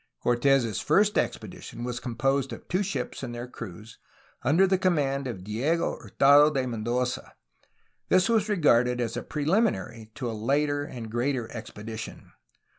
Cortes' first expedition was composed of two ships and their crews, under the command of Diego Hurtado de Men doza. This was regarded as a preliminary to a later and greater expedition.